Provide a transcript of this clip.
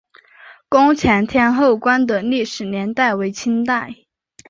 宫前天后宫的历史年代为清代。